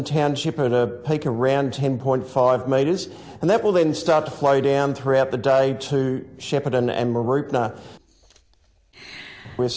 dan itu akan mulai menurun sepanjang hari ke shepperton dan merchandise